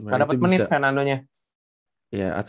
gak dapat menit fernando nya